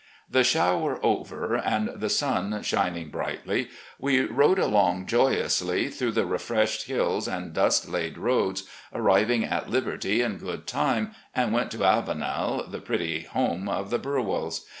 "The shower over and the sun shining brightly, we rode along joyously through the refreshed hills and dust laid roads, arriving at Liberty in good time, and went MOUNTAIN RIDES 273 to 'Avenel,' the pretty home of the Burwells.